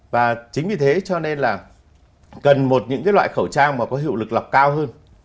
và chính vì thế cho nên là cần một những cái loại khẩu trang mà có hiệu lực lọc cao hơn